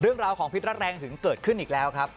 เรื่องราวของพิษรัดแรงถึงเกิดขึ้นอีกแล้วครับ